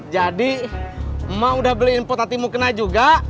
jadi emak udah beli info tati mukena juga